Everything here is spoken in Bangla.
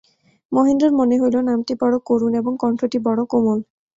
মহেন্দ্রের মনে হইল নামটি বড়ো করুণ এবং কণ্ঠটি বড়ো কোমল।